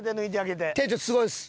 店長すごいです。